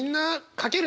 書ける！